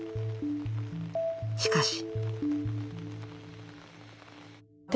しかし。